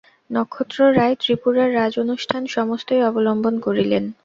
নক্ষত্ররায় ত্রিপুরার রাজ-অনুষ্ঠান সমস্তই অবলম্বন করিলেন।